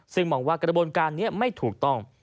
ซึ่งมองว่ากระบวนการนี้ไม่ถูกต้อง